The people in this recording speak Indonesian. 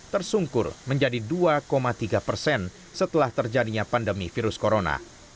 tersungkur menjadi dua tiga persen setelah terjadinya pandemi virus corona